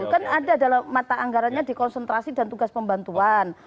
kan ada dalam mata anggarannya dikonsentrasi dan tugas pembantuan